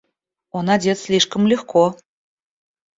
Он одет слишком легко.